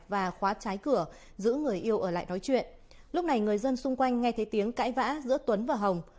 và khóa trái cửa giữ người yêu ở lại nói chuyện lúc này người dân xung quanh nghe thấy tiếng cãi vã giữa tuấn và hồng